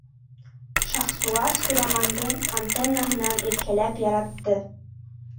Шахсуар Сураманды антеннаһынан иркәләп яратты.